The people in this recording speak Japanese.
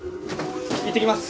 いってきます。